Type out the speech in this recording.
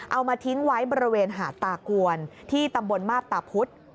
เอามาทิ้งไว้บริเวณหาดตากวนที่ตำบลมาบตาพุธ